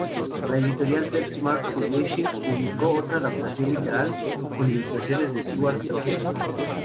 La editorial Ted Smart Publishing publicó otra adaptación literaria con ilustraciones de Stuart Trotter.